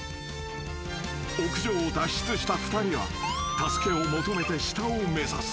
［屋上を脱出した２人は助けを求めて下を目指す］